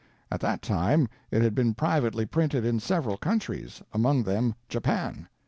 At that time it had been privately printed in several countries, among them Japan.